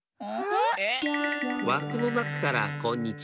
わくのなかからこんにちは。